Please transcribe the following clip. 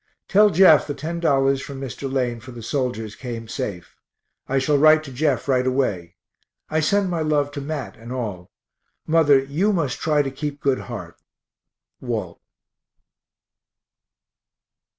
Tell Jeff the $10 from Mr. Lane for the soldiers came safe. I shall write to Jeff right away. I send my love to Mat and all. Mother, you must try to keep good heart. WALT.